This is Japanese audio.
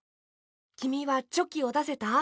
きみはチョキをだせた？